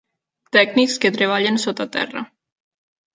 Tècnics que treballen sota terra.